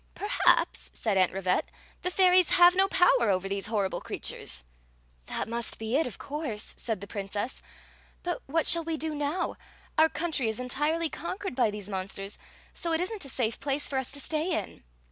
" Perhaps," said Aunt Rivette, " the fairies have no power over these horrible creatures." "That must be it, of course," said the princess. " But what shall we do now ? Our country is en tirely conquered by diese numsters; so it is n't a safe place for us to stay in."